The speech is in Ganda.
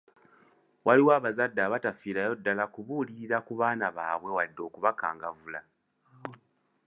Waliwo abazadde abatafiirayo ddala kubuulirira ku baana baabwe wadde okubakangavvula.